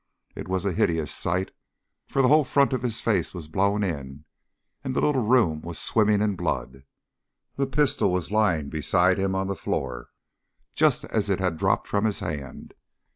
It was a hideous sight, for the whole front of his face was blown in, and the little room was swimming in blood. The pistol was lying beside him on the floor, just as it had dropped from his hand.